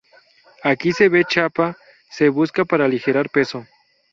Aquí se ve chapa, se busca para aligerar peso.